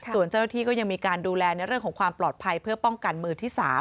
ส่วนเจ้าหน้าที่ก็ยังมีการดูแลในเรื่องของความปลอดภัยเพื่อป้องกันมือที่๓